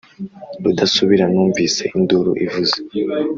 rudasubira numvise induru ivuze